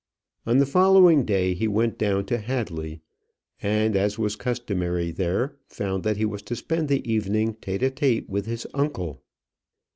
On the following day he went down to Hadley, and, as was customary there, found that he was to spend the evening tête à tête with his uncle.